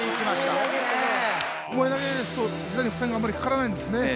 巴投げですとひざに負担があんまりかからないんですね。